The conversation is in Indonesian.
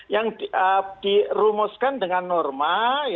yang dirumuskan dengan norma